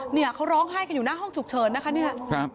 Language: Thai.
เนี่ยเขาร้องไห้กันอยู่หน้าห้องฉุกเฉินนะคะเนี่ย